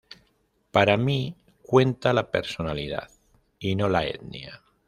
Para mi cuenta la personalidad y no la etnia.